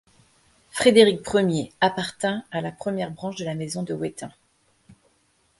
Frédéric I appartint à la première branche de la Maison de Wettin.